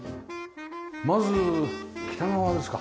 まず北側ですか。